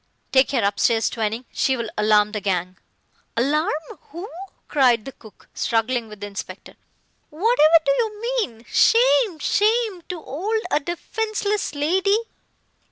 "Take her upstairs, Twining. She will alarm the gang!" "Alarm who?" cried the cook, struggling with the inspector. "Whatever do you mean? Shame shame to 'old a defenceless lady.